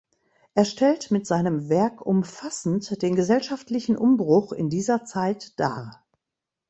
Er stellt mit seinem Werk umfassend den gesellschaftlichen Umbruch in dieser Zeit dar.